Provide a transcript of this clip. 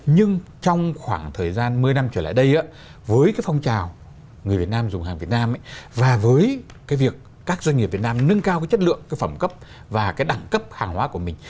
nhưng trong khoảng thời gian một mươi năm trở lại đây với cái phong trào người việt nam dùng hàng việt nam và với cái việc các doanh nghiệp việt nam nâng cao cái chất lượng cái phẩm cấp và cái đẳng cấp hàng hóa của mình